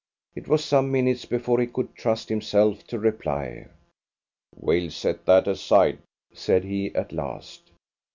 It was some minutes before he could trust himself to reply. "We'll set that aside," said he at last.